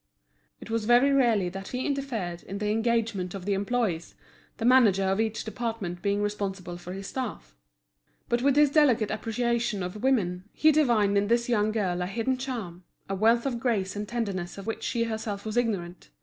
It was very rarely that he interfered in the engagement of the employees, the manager of each department being responsible for his staff. But with his delicate appreciation of women, he divined in this young girl a hidden charm, a wealth of grace and tenderness of which she herself was ignorant.